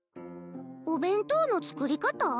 お弁当の作り方？